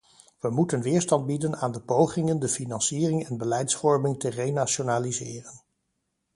We moeten weerstand bieden aan de pogingen de financiering en beleidsvorming te renationaliseren.